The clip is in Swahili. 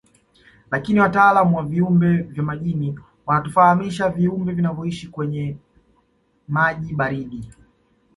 Lakini wataalamu wa viumbe vya majini wanatufahamisha viumbe vinavyoishi kwenye maji baridi